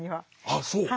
ああそう？